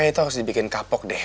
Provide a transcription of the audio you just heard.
kan ray tuh harus dibikin kapok deh